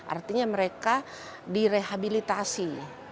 artinya mereka direhabilitasi